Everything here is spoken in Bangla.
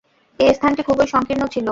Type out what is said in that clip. এ স্থানটি খুবই সংকীর্ণ ছিল।